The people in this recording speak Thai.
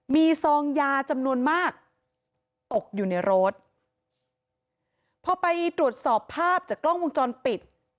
มีซองยาจำนวนมากตกอยู่ในรถพอไปตรวจสอบภาพจากกล้องวงจรปิด